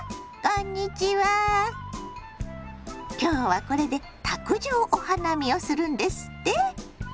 こんにちは今日はこれで卓上お花見をするんですって？